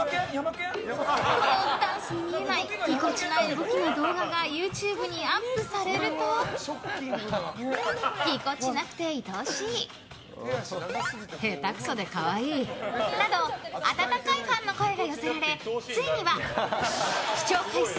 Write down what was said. この、ダンスに見えないぎこちない動きの動画がＹｏｕＴｕｂｅにアップされるとぎこちなくて、いとおしいへたくそで可愛いなどと温かいファンの声が寄せられついには視聴回数